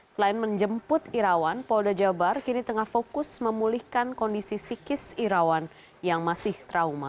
selain menjemput irawan polda jabar kini tengah fokus memulihkan kondisi psikis irawan yang masih trauma